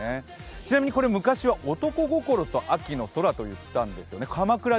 ちなみにこれ昔は男心と秋の空といったんですね。